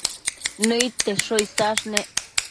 Nëid tesho isash nec